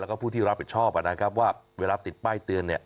แล้วก็ผู้ที่รับผิดชอบนะครับว่าเวลาติดป้ายเตือนเนี่ย